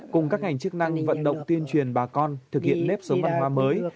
cùng các ngành chức năng vận động tuyên truyền bà con thực hiện nếp sống văn hóa mới